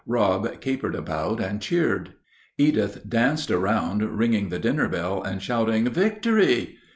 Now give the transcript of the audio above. Rob capered about and cheered; Edith danced around ringing the dinner bell and shouting, "Victory!"